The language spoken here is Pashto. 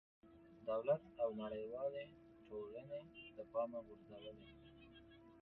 دولت او نړېوالې ټولنې له پامه غورځولې.